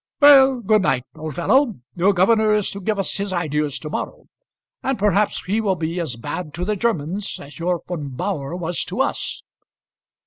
"Well, good night, old fellow; your governor is to give us his ideas to morrow, and perhaps he will be as bad to the Germans as your Von Bauhr was to us."